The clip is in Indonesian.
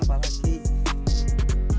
pak leng apa aja